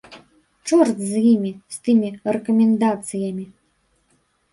Чорт з імі, з тымі рэкамендацыямі.